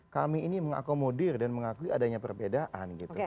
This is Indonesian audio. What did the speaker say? kami ini mengakomodir dan mengakui adanya perbedaan gitu